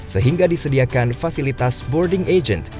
sehingga disediakan fasilitas boarding agent